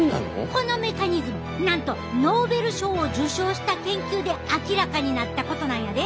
このメカニズムなんとノーベル賞を受賞した研究で明らかになったことなんやで！